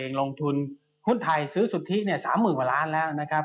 ก็ยังลงทุนหุ้นไทยซื้อสุดที่เนี่ย๓๐๐๐๐ว่าล้านแล้วนะครับ